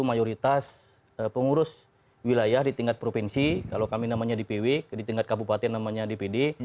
mayoritas pengurus wilayah di tingkat provinsi kalau kami namanya dpw di tingkat kabupaten namanya dpd